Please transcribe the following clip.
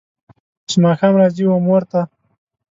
چې ماښام راځي و مور ته